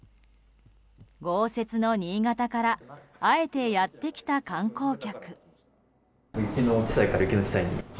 豪雪の新潟からあえてやってきた観光客。